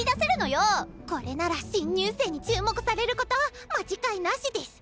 これなら新入生に注目されること間違いなしデス！